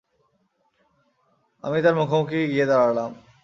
আমি তার মুখোমুখি গিয়ে দাঁড়ালাম।